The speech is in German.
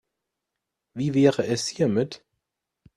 Wie wäre es hiermit?